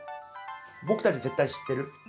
僕たち絶対知ってる野菜？